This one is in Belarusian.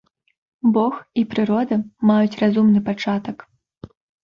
Бог і прырода маюць разумны пачатак.